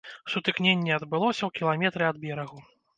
Сутыкненне адбылося ў кіламетры ад берагу.